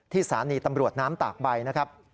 ที่สารณีตำรวจน้ำตากใบนะครับ